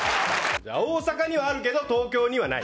じゃあ、大阪にはあるけど東京にはない。